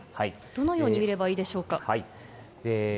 どのように見ればいいでしょうか。